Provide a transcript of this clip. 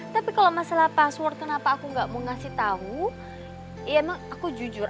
tapi kalau masalah password kenapa aku gak mau ngasih tahu ya emang aku jujur